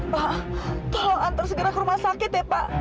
pak tolong antar segera ke rumah sakit ya pak